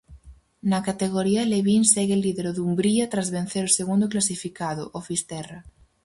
Na categoría alevín segue líder o Dumbría tras vencer o segundo clasificado, o Fisterra.